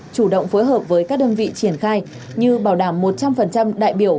chủ động phối hợp với các đơn vị triển khai như bảo đảm một trăm linh đại biểu